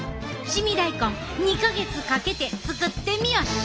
凍み大根２か月かけて作ってみよっし！